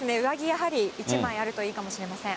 やはり１枚あるといいかもしれません。